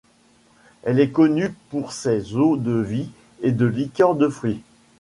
Elle est connue pour ses eaux-de-vie et liqueurs de fruits.